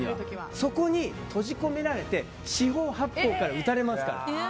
そこに閉じ込められて四方八方から撃たれますから。